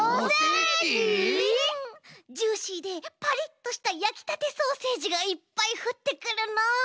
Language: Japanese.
ジューシーでパリッとしたやきたてソーセージがいっぱいふってくるの。